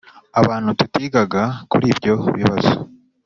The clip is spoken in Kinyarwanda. abantu tutigaga kuri ibyo bibazo